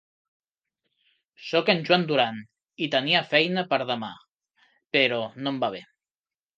Soc en Joan Duran i tenia feina per demà, però no em va bé.